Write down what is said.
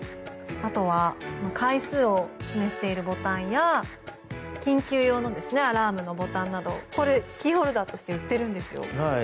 あとは階数を示しているボタンや緊急用のアラームのボタンなどこれ、キーホルダーとして売っているんですよ。